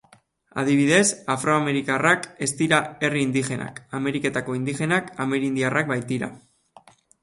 Adibidez, afroamerikarrak ez dira herri indigenak, Ameriketako indigenak amerindiarrak baitira.